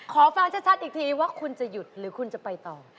ฟังชัดอีกทีว่าคุณจะหยุดหรือคุณจะไปต่อ